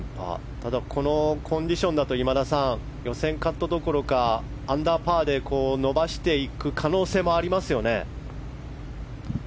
ただ、このコンディションだと今田さん、予選カットどころかアンダーパーで伸ばしていく可能性もありますよね。